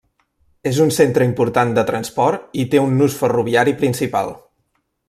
És un centre important de transport i té un nus ferroviari principal.